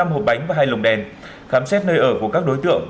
năm hộp bánh và hai lồng đèn khám xét nơi ở của các đối tượng